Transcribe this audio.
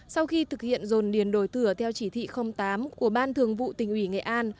sau khi thực hiện dồn điền đổi thừa theo chỉ thị tám của ban thường vụ tỉnh ủy nghệ an